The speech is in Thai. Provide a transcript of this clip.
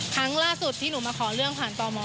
ครั้งล่าสุดที่หนูมาขอเรื่องผ่านตม